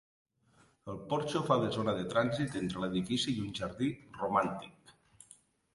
El porxo fa de zona de trànsit entre l'edifici i un jardí romàntic.